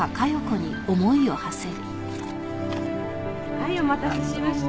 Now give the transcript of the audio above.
はいお待たせしました。